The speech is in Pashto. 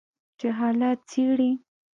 چې حالات څیړي